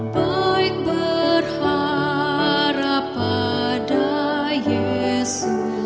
baik berharap pada yesus